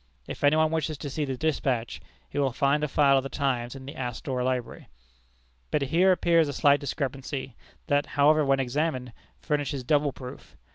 If any one wishes to see the despatch, he will find a file of The Times in the Astor Library. But here appears a slight discrepancy, that, however, when examined, furnishes double proof.